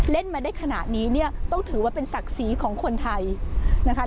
เล่นมาได้ขนาดนี้ต้องถือว่าเป็นศักดิ์ศรีของคนไทย